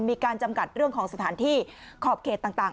มีการจำกัดเรื่องของสถานที่ขอบเขตต่าง